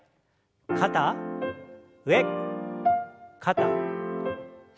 肩上肩下。